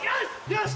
よし！